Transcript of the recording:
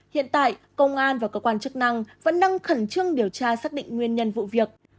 hiện tại công an và cơ quan chức năng vẫn đang khẩn trương điều tra xác định nguyên nhân vụ việc